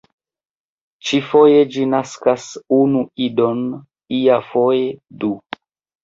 Ĉiufoje ĝi naskas unu idon, iafoje du.